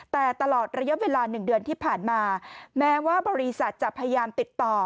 แต่ตลอดระยะเวลา๑เดือนที่ผ่านมาแม้ว่าบริษัทจะพยายามติดต่อ